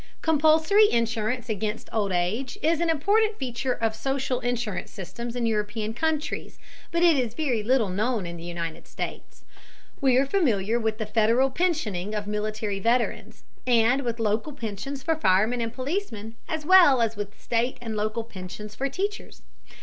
Compulsory insurance against old age is an important feature of social insurance systems in European countries, but it is very little known in the United States. We are familiar with the Federal pensioning of military veterans, and with local pensions for firemen and policemen, as well as with state and local pensions for teachers.